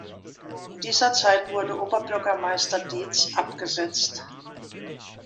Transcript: In dieser Zeit wurde Oberbürgermeister Dietz abgesetzt.